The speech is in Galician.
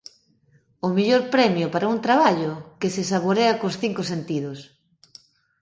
O mellor premio para un traballo que se saborea cos cinco sentidos.